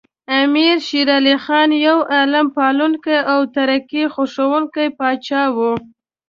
امیر شیر علی خان یو علم پالونکی او ترقي خوښوونکی پاچا و.